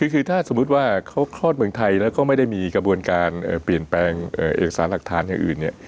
คือถ้าสมมุติว่าเขาคลอดเมืองไทยแล้วก็ไม่ได้มีกระบวนการเปลี่ยนแปลงเอกสารหลักฐานอย่างอื่นเนี่ย